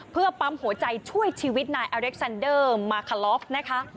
เพื่อปั๊มหัวใจช่วยชีวิตนายอเล็กซันเดอร์มาคาลอฟนะคะ